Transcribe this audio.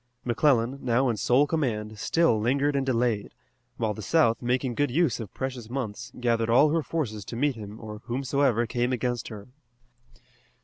McClellan, now in sole command, still lingered and delayed, while the South, making good use of precious months, gathered all her forces to meet him or whomsoever came against her.